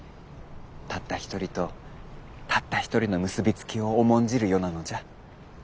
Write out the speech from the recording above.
たった一人とたった一人の結び付きを重んじる世なのじゃ。